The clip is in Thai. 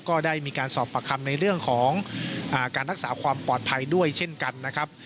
ก็ได้มีการสอบประคำในเรื่องของการรักษาความปลอดภัยด้วยเช่นกันนะครับ